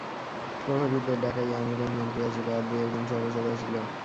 প্রহরীদের ডাকাইয়া আনিলেন, মন্ত্রী আসিল, আর দুই এক জন সভাসদ আসিল।